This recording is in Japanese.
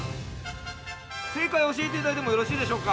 正解を教えていただいてもよろしいでしょうか。